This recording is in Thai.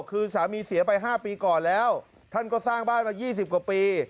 คือสามีเสียไป๕ปีก่อนแล้วท่านก็สร้างบ้านมา๒๐กว่าปี